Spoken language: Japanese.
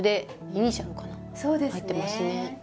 入ってますね。